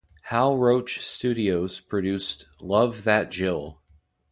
Hal Roach Studios produced "Love That Jill".